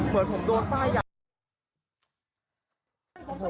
เผื่อผมโดนป้ายอย่าง